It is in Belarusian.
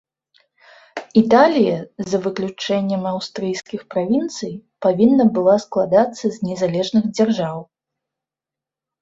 Італія, за выключэннем аўстрыйскіх правінцый, павінна была складацца з незалежных дзяржаў.